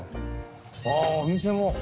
あっお店も。